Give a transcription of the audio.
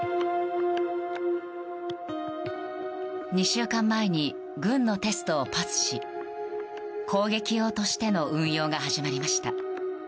２週間前に軍のテストをパスし攻撃用としての運用が始まりました。